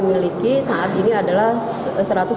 miliki saat ini adalah satu ratus lima puluh lima itu data dari bps